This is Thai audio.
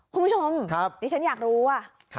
คุณผู้ชมดิฉันอยากรู้อะ